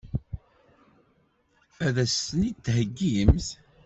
Ad as-ten-id-theggimt?